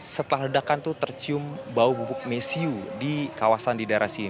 setelah ledakan itu tercium bau bubuk mesiu di kawasan di daerah sini